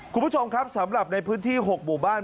คุณผู้ชมครับสำหรับในพื้นที่๖หมู่บ้าน